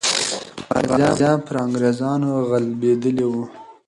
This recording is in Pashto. غازیان پر انګریزانو غالبېدلې وو.